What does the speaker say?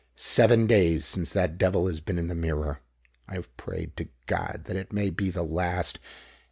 Seven days since that devil has been in the mirror. I have prayed to God that it may be the last.